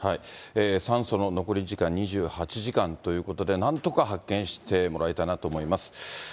酸素の残り時間２８時間ということで、なんとか発見してもらいたいなと思います。